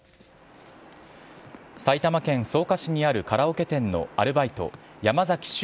埼玉県草加市にあるカラオケ店のアルバイト山崎秀